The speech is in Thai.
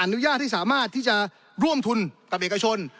อนุญาตให้สามารถที่จะร่วมทุนกับเอกชน